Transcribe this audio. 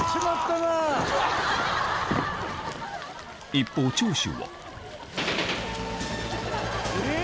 一方長州はえぇ！